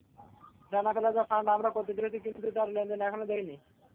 Rana plaza fund আমরা করতে দেখেছি, কিন্তু তার লেনদেন এখনো দেখিনি।